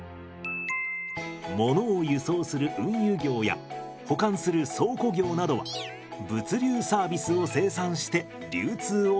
ものを輸送する運輸業や保管する倉庫業などは物流サービスを生産して流通をサポートしています。